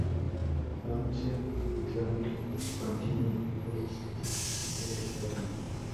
Once track contiene el play list de este álbum.